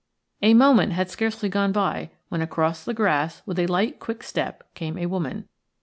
A moment had scarcely gone by when across the grass with a light, quick step came a woman.